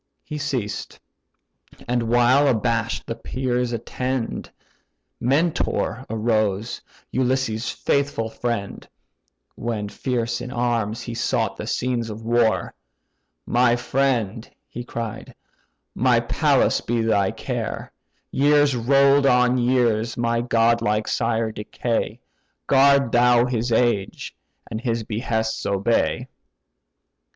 He ceased; and while abash'd the peers attend, Mentor arose, Ulysses' faithful friend: (When fierce in arms he sought the scenes of war, "My friend (he cried), my palace be thy care; Years roll'd on years my godlike sire decay, Guard thou his age, and his behests obey.")